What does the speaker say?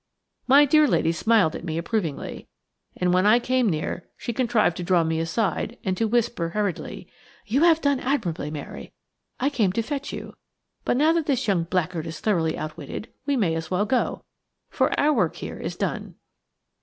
My dear lady smiled at me approvingly, and when I came near her she contrived to draw me aside and to whisper hurriedly: "You have done admirably, Mary. I came to fetch you. But now that this young blackguard is thoroughly outwitted, we may as well go, for our work here is done."